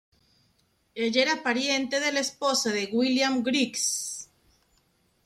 Ella era pariente de la esposa de William Griggs.